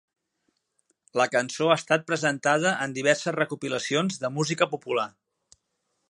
La cançó ha estat presentada en diverses recopilacions de música popular.